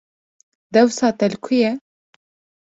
Dewsa te li ku ye?